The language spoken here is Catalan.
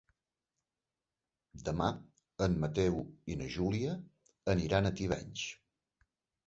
Demà en Mateu i na Júlia aniran a Tivenys.